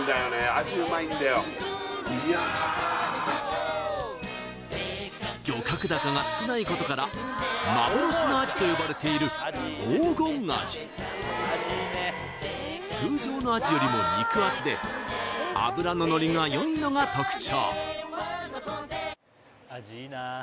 アジうまいんだよいや漁獲高が少ないことから幻のアジと呼ばれている通常のアジよりも肉厚で脂ののりがよいのが特徴